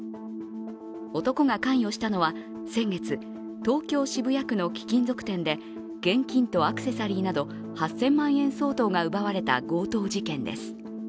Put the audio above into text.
男が関与したのは先月、東京・渋谷区の貴金属店で現金とアクセサリーなど８０００万円相当が奪われた強盗事件です。